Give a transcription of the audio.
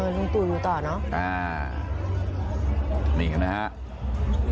ลุงตูอยู่ต่อเนาะนี่กันนะฮะ